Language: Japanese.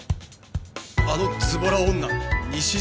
あのズボラ女西島